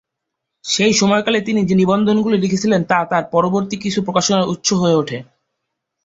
সেই সময়কালে তিনি যে নিবন্ধগুলি লিখেছিলেন তা তার পরবর্তী কিছু প্রকাশনার উৎস হয়ে ওঠে।